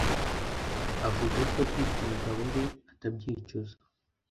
avuga ko kwica umugabo we atabyicuza